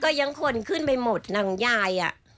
ยังคนขึ้นไปหมดหนังยาย